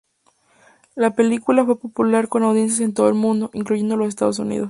La película fue popular con audiencias en todo el mundo, incluyendo los Estados Unidos.